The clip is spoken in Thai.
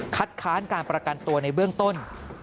ค้านการประกันตัวในเบื้องต้น